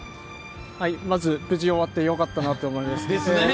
まず、無事に終わってよかったなと思います。